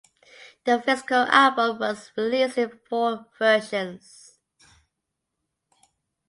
The physical album was released in four versions.